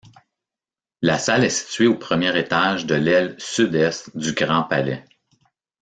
La salle est située au premier étage de l'aile sud-est du Grand Palais.